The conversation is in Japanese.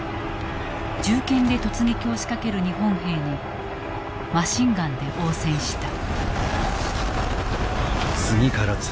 銃剣で突撃を仕掛ける日本兵にマシンガンで応戦した。